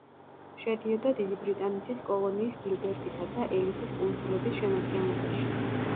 შედიოდა დიდი ბრიტანეთის კოლონიის გილბერტისა და ელისის კუნძულების შემადგენლობაში.